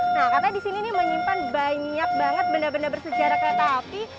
nah katanya di sini nih menyimpan banyak banget benda benda bersejarah kereta api